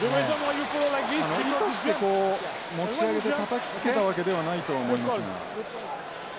意図して持ち上げてたたきつけたわけではないとは思いますが。